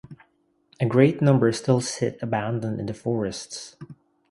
A great number still sit abandoned in the forests.